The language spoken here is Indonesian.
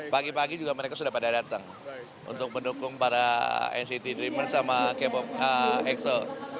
pagi pagi juga mereka sudah pada datang untuk mendukung para nct dreamers sama exo